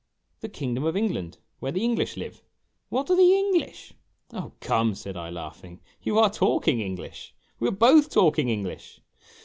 "The Kingdom of England where the English live "" What are the English ?"" Oh, come," said I, laughing, " you are talking English ! We are both talking English